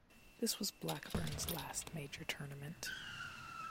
This was Blackburne's last major tournament.